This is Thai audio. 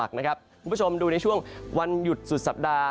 คุณผู้ชมดูในช่วงวันหยุดสุดสัปดาห